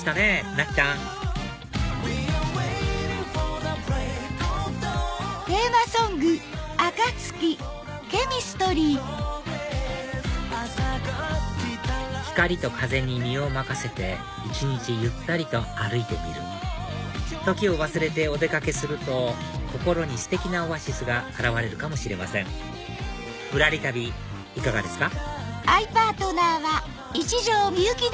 なっちゃん光と風に身を任せて一日ゆったりと歩いてみる時を忘れてお出かけすると心にステキなオアシスが現れるかもしれませんぶらり旅いかがですか？